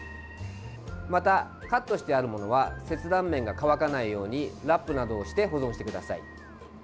またカットしてあるものは切断面が乾かないようにラップなどをして保存してください。